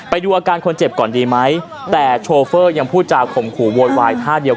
ไปดูอาการคนเจ็บก่อนดีไหมแต่โชเฟอร์ยังพูดจาข่มขู่โวยวายท่าเดียว